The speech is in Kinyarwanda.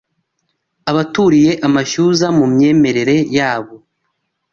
Abaturiye amashyuza mu myemerere yabo